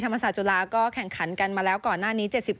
ธรรมศาสตร์จุฬาก็แข่งขันกันมาแล้วก่อนหน้านี้เจ็ดสิบ